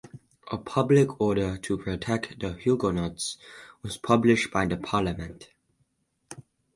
A public order to protect the Huguenots was published by the Parlement.